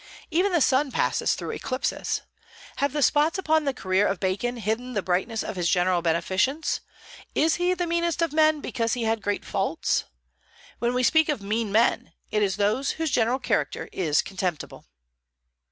Even the sun passes through eclipses. Have the spots upon the career of Bacon hidden the brightness of his general beneficence? Is he the meanest of men because he had great faults? When we speak of mean men, it is those whose general character is contemptible.